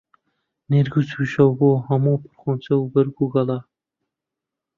نێرگس و شەوبۆ هەموو پڕ غونچە و بەرگ و گەڵا